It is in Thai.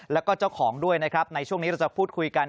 แล้วก็เจ้าของด้วยนะครับในช่วงนี้เราจะพูดคุยกัน